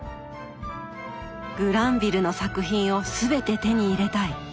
グランヴィルの作品を全て手に入れたい。